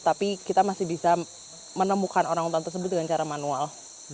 tapi kita masih bisa menemukan orangutan tersebut dengan cara manual